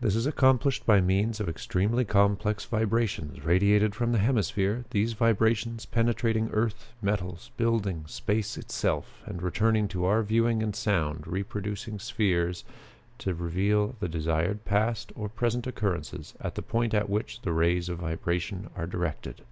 This is accomplished by means of extremely complex vibrations radiated from the hemisphere, these vibrations penetrating earth, metals, buildings, space itself, and returning to our viewing and sound reproducing spheres to reveal the desired past or present occurrences at the point at which the rays of vibrations are directed.